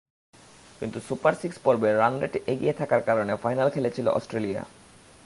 কিন্তু super six পর্বে রানরেটে এগিয়ে থাকার কারণে ফাইনাল খেলেছিল অস্ট্রেলিয়া।